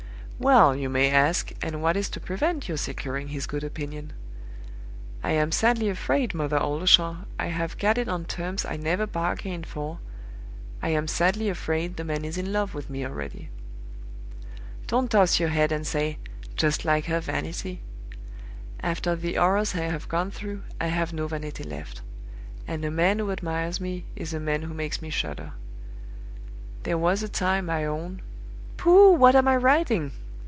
"Well, you may ask, and what is to prevent your securing his good opinion? I am sadly afraid, Mother Oldershaw, I have got it on terms I never bargained for I am sadly afraid the man is in love with me already. "Don't toss your head and say, 'Just like her vanity!' After the horrors I have gone through, I have no vanity left; and a man who admires me is a man who makes me shudder. There was a time, I own Pooh! what am I writing?